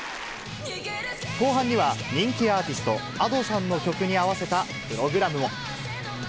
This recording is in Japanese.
後半には、人気アーティスト、Ａｄｏさんの曲に合わせたプログラムも。